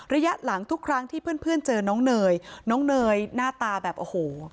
ระยะหลังทุกครั้งที่เพื่อนเจอน้องเนยน้องเนยหน้าตาแบบโอ้โห